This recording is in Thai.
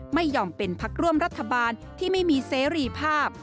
ไม่ยอมเป็นพักร่วมรัฐบาลที่ไม่มีเสรีภาพ